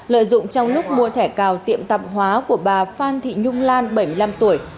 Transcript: lợi dụng trong lúc mua thẻ cào tiệm tạp hóa của bà phan thị nhung lan bảy mươi năm tuổi